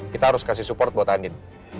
kita harus kasih support buat angin